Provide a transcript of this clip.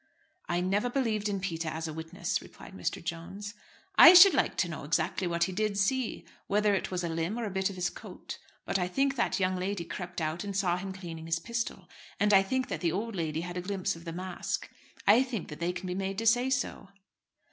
"I never believed in Peter as a witness," replied Mr. Jones. "I should like to know exactly what he did see; whether it was a limb or a bit of his coat. But I think that young lady crept out and saw him cleaning his pistol. And I think that the old lady had a glimpse of the mask. I think that they can be made to say so."